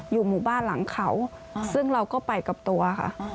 อยู่หมู่บ้านหลังเขาซึ่งเราก็ไปกับตัวค่ะ